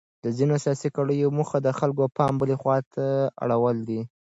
د ځینو سیاسي کړیو موخه د خلکو پام بلې خواته اړول دي.